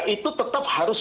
itu tetap harus